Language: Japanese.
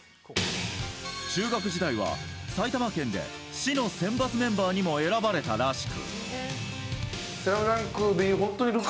中学時代は埼玉県で市の選抜メンバーにも選ばれたらしく。